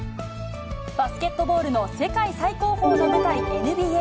バスケットボールの世界最高峰の舞台、ＮＢＡ。